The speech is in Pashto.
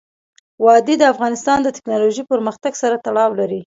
وادي د افغانستان د تکنالوژۍ پرمختګ سره تړاو لري.